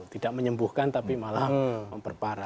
tidak menyembuhkan tapi malah memperparah